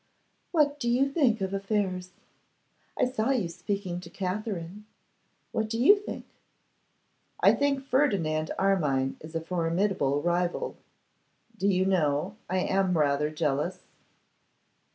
'What do you think of affairs? I saw you speaking to Katherine. What do you think?' 'I think Ferdinand Armine is a formidable rival. Do you know, I am rather jealous?